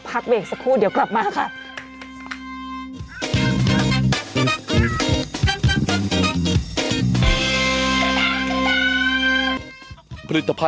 พักเบรกสักครู่เดี๋ยวกลับมาค่ะ